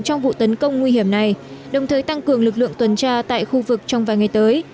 trong vụ tấn công nguy hiểm này đồng thời tăng cường lực lượng tuần tra tại khu vực trong vài ngày tới